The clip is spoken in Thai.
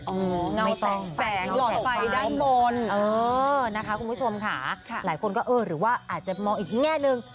เงาแสงหลอดไฟด้านบนเออนะคะคุณผู้ชมค่ะหลายคนก็เออหรือว่าอาจจะมองอีกแง่หนึ่ง